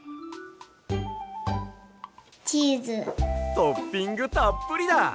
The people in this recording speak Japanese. トッピングたっぷりだ！